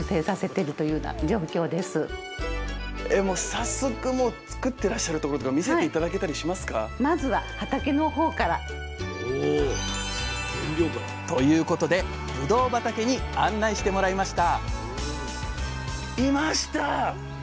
早速作ってらっしゃるところとか見せて頂けたりしますか？ということでぶどう畑に案内してもらいました！